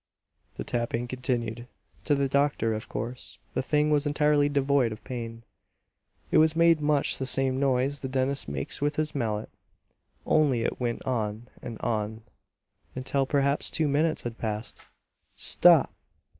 The tapping continued. To the doctor, of course, the thing was entirely devoid of pain. It made much the same noise the dentist makes with his mallet, only it went on and on, until perhaps two minutes had passed. "Stop!"